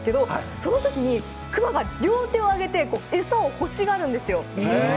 そのときにクマが両手をあげて餌を欲しがるんですよ。